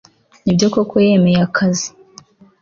Nibyo koko yemeye aka kazi